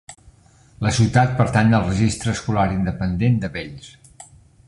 La ciutat pertany al districte escolar independent de Bells.